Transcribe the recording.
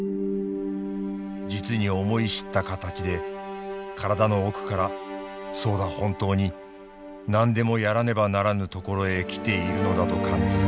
実に思い知った形で身体の奥からそうだ本当に何でもやらねばならぬ所へ来ているのだと感ずる」。